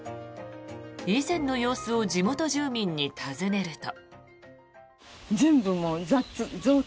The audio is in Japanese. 以前の様子を地元住民に尋ねると。